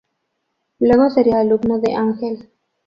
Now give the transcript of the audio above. Luego sería alumno de Angell.